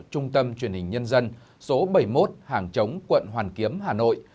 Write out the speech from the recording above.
trung tâm truyền hình nhân dân số bảy mươi một hàng chống quận hoàn kiếm hà nội